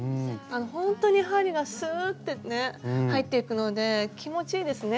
ほんとに針がすってね入っていくので気持ちいいですね。